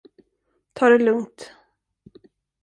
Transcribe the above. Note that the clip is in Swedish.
Ta det lugnt.